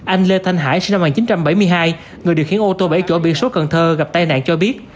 anh lê thanh hải sinh năm một nghìn chín trăm bảy mươi hai người điều khiển ô tô bảy chỗ biển số cần thơ gặp tai nạn cho biết